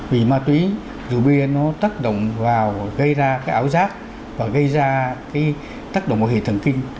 vì ma túy rượu bia nó tác động vào gây ra cái ảo giác và gây ra cái tác động vào hệ thần kinh